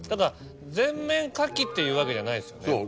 全面牡蠣っていうわけじゃないですよね。